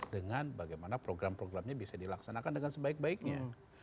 dengan bagaimana program programnya bisa dilaksanakan dengan sebaik baiknya